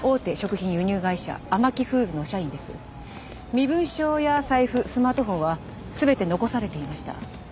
身分証や財布スマートフォンは全て残されていました。